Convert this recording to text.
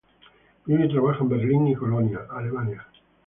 Vive y trabaja en Berlín y Colonia, Alemania.